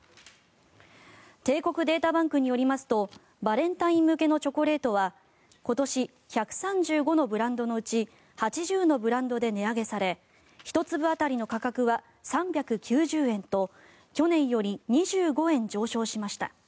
帝国データバンクによりますとバレンタイン向けのチョコレートは今年、１３５のブランドのうち８０のブランドで値上げされ１粒当たりの価格は３９０円と去年より２５円上昇しました。